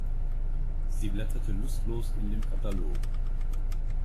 Sie blätterte lustlos in dem Katalog.